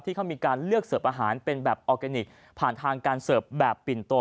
เขามีการเลือกเสิร์ฟอาหารเป็นแบบออร์แกนิคผ่านทางการเสิร์ฟแบบปิ่นโต